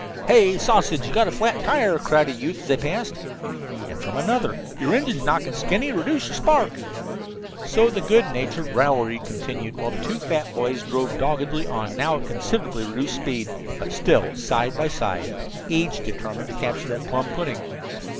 "Hey, Sausage, you've got a flat tire," cried a youth as they passed. And from another: "Your engine's knocking, Skinny. Reduce your spark." So the good natured raillery continued while the two fat boys drove doggedly on, now at considerably reduced speed, but still side by side, each determined to capture that plum pudding.